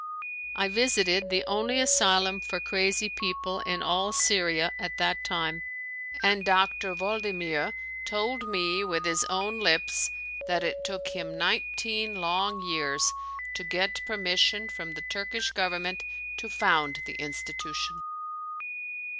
I visited the only asylum for crazy people in all Syria at that time, and Dr. Waldimier told me with his own lips that it took him nineteen long years to get permission from the Turkish government to found the institution.